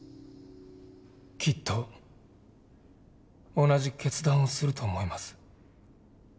きっと同じ決断をすると思います。